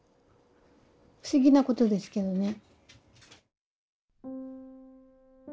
不思議なことですけどね。